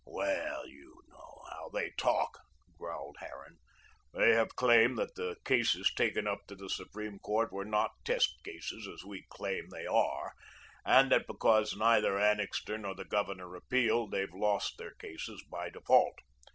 "Well, you know how they talk," growled Harran. "They have claimed that the cases taken up to the Supreme Court were not test cases as WE claim they ARE, and that because neither Annixter nor the Governor appealed, they've lost their cases by default.